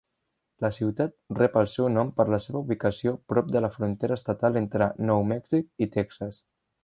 La ciutat rep el seu nom per la seva ubicació prop de la frontera estatal entre Nou Mèxic i Texas.